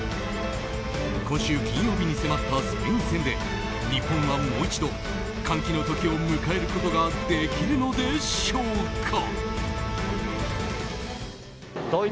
今週金曜日に迫ったスペイン戦で日本はもう一度歓喜の時を迎えることができるのでしょうか。